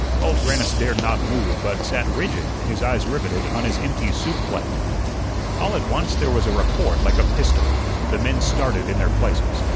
Old Grannis dared not move, but sat rigid, his eyes riveted on his empty soup plate. All at once there was a report like a pistol. The men started in their places. Mrs.